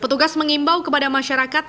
petugas mengimbau kepada masyarakat